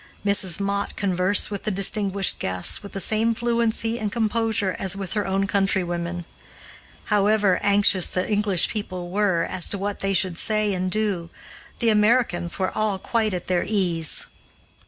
Mrs. Mott conversed with the distinguished guests with the same fluency and composure as with her own countrywomen. However anxious the English people were as to what they should say and do, the Americans were all quite at their ease.